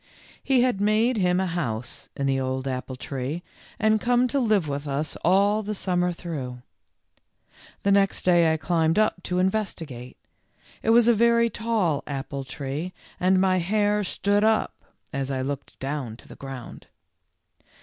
He had made him a house in the old apple tree and come to live with us all the summer through. The next day I climbed up to investigate. It was a very tall apple tree and my hair stood up as I looked down to the ground.